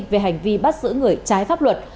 về hành vi bắt giữ người trái pháp luật